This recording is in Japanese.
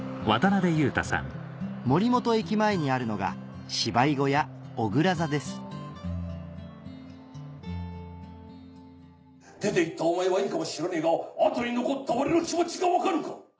森本駅前にあるのが芝居小屋おぐら座です出ていったお前はいいかもしらねえが後に残った俺の気持ちが分かるか。